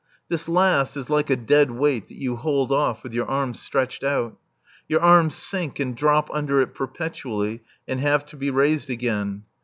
This last is like a dead weight that you hold off you with your arms stretched out. Your arms sink and drop under it perpetually and have to be raised again.